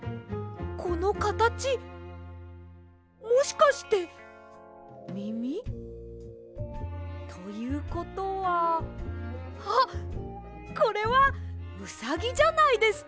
このかたちもしかしてみみ？ということはあっこれはウサギじゃないですか？